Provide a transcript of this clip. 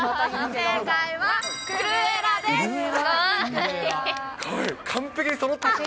正解は、クルエラです。